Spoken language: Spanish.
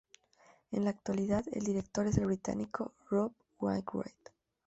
En la actualidad, el director es el británico Rob Wainwright.